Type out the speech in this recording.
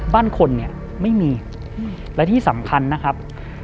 บ้านคนเนี่ยไม่มีและที่สำคัญนะครับ